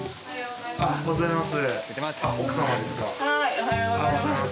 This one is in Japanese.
おはようございます。